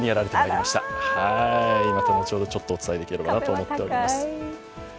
また後ほどお伝えできればと思っております。